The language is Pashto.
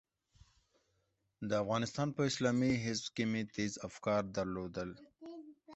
د افغانستان په اسلامي حزب کې مې تېز افکار درلودل.